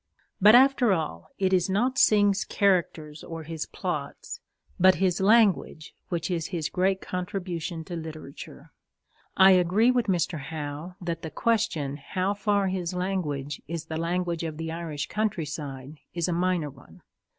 But, after all, it is not Synge's characters or his plots, but his language, which is his great contribution to literature. I agree with Mr. Howe that the question how far his language is the language of the Irish countryside is a minor one.